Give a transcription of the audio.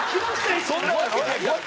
そんなわけないやろ。